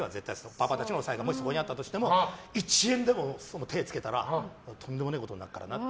パパたちの財布がそこにあったとしても１円でも手を付けたらとんでもねえことになるぞって。